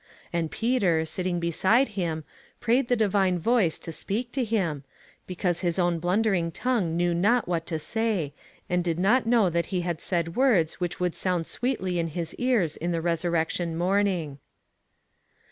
And Peter, sitting beside him, prayed the Divine Voice THE PROOF OF THE DIVINE HAND. 28/ to speak to him, because, his own blunder ing tongue knew not what to say, and did not know that he had said words which would sound sweetly in his ears in the resurrection morning.